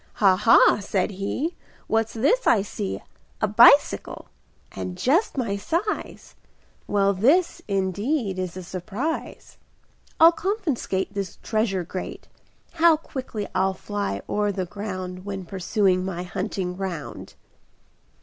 "Ha! Ha!" said he, "What's this I see, A bicycle! and just my size! Well, this, indeed, is a surprise! I'll confiscate This treasure great; How quickly I'll fly o'er the ground When I pursue my hunting round!"